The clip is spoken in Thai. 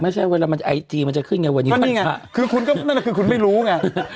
ไม่ใช่เวลามันไอจีมันจะขึ้นไงวันนี้มันมีไงคือคุณก็นั่นก็คือคุณไม่รู้ไง